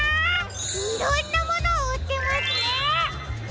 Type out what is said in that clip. いろんなものをうってますね！